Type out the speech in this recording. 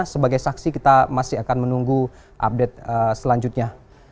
sebagai saksi kita masih akan menunggu update selanjutnya